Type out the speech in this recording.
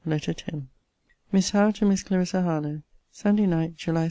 LETTER X MISS HOWE, TO MISS CLARISSA HARLOWE SUNDAY NIGHT, JULY 16.